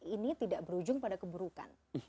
ini tidak berujung pada keburukan